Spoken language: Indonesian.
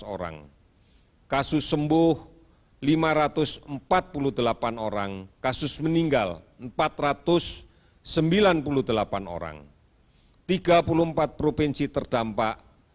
tujuh belas orang kasus sembuh lima ratus empat puluh delapan orang kasus meninggal empat ratus sembilan puluh delapan orang tiga puluh empat provinsi terdampak